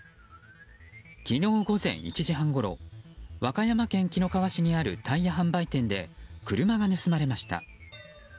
昨日午前１時半ごろ和歌山県紀の川市にあるタイヤ販売店で車が盗まれました。